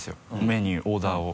メニューオーダーを。